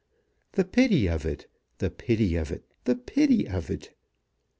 The pity of it, the pity of it, the pity of it!